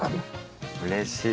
うれしい！